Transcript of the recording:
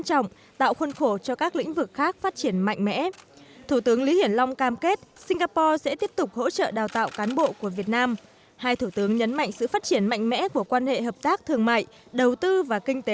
trước đó vào sáng nay thủ tướng lý hiển long đã đến viếng lăng chủ tịch hồ chí minh